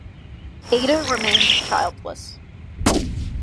Ada remained childless.